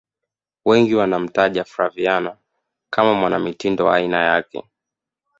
wengi wanamtaja flaviana kama mwanamitindo wa aina yake